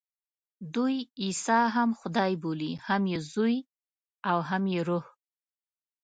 دوی عیسی هم خدای بولي، هم یې زوی او هم یې روح.